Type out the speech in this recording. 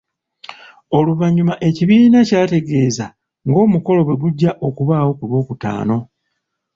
Oluvannyuma ekibiina kyategeeza ng'omukolo bwegujja okubaayo ku Lwokutaano.